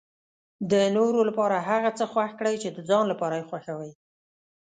د نورو لپاره هغه څه خوښ کړئ چې د ځان لپاره یې خوښوي.